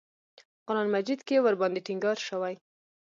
په قران مجید کې ورباندې ټینګار شوی.